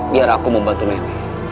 biar aku membantu nenek